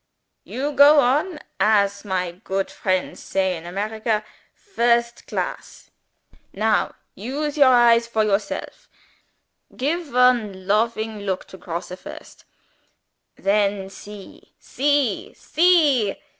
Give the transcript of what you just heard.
You go on (as my goot friends say in America) first class. Now use your eyes for yourself. Gif one lofing look to Grosse first. Then see! see! see!"